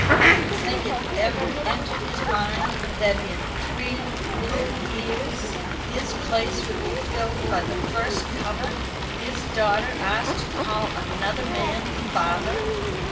Do you think it ever entered his mind that in three little years his place would be filled by the first comer his daughter asked to call another man father?"